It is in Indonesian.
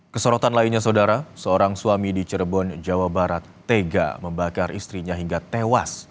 kesorotan lainnya saudara seorang suami di cirebon jawa barat tega membakar istrinya hingga tewas